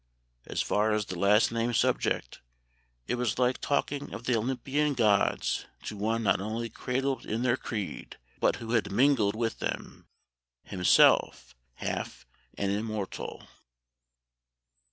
As for the last named subject, it was like talking of the Olympian gods to one not only cradled in their creed, but who had mingled with them, himself half an immortal."